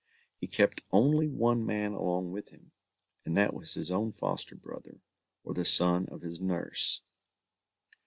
He kept only one man along with him, and that was his own foster brother, or the son of his nurse.